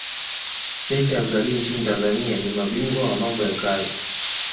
Sekta ya Utalii nchini Tanzania ni mabingwa wa mambo ya kale